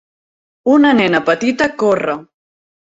Una nena petita corre.